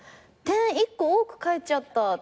「点１個多く書いちゃった」って。